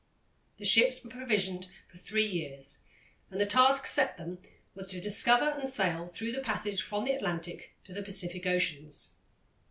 The ships were provisioned for three years, and the task set them was to discover and sail through the passage from the Atlantic to the Pacific Oceans.